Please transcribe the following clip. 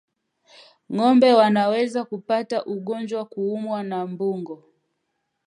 Ngombe wanaweza kupata ugonjwa kwa kuumwa na mbungo